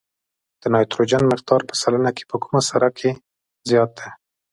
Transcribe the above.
د نایتروجن مقدار په سلنه کې په کومه سره کې زیات دی؟